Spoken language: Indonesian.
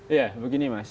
iya begini mas